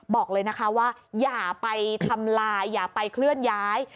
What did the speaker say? บอกเลยนะคะว่าอย่าไปทำลายอย่าไปเคลื่อนย้าย